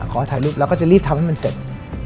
ขอถ่ายรูปแล้วก็จะรีบทำให้มันเสร็จ